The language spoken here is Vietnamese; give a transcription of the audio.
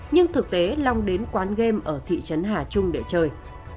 nhưng thực tế long đến quán game ở thị trấn hà trung để chơi